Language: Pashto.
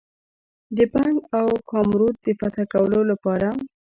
د بنګ او کامرود د فتح کولو لپاره.